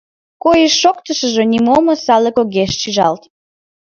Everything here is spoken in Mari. Койыш-шоктышыштыжо нимо осаллык огеш шижалт.